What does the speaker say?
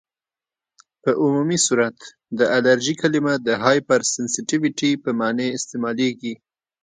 په عمومي صورت د الرژي کلمه د هایپرسینسیټیويټي په معنی استعمالیږي.